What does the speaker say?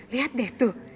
lihat deh tuh